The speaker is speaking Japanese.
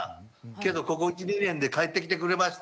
けどここ１２年で帰ってきてくれました。